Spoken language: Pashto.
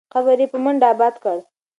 قبر یې په منډآباد کې دی.